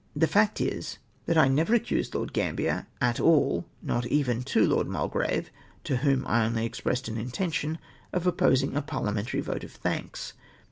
The fact is, that I never accused Lord Gambler at all, not even to Lord Muhjrave^ to whom I only ex pressed an intention of opposing a parliamentary vote of thanks.